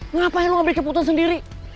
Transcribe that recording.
ngapain lu ngambil keputusan sendiri